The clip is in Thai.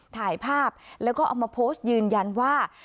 ถ่ายภาพแล้วก็เอามาโพสต์ยืนยันว่า